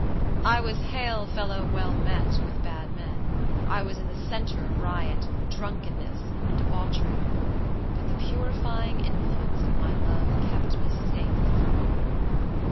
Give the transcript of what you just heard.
I was hail fellow well met with bad men; I was in the center of riot, drunkenness, and debauchery; but the purifying influence of my love kept me safe from all.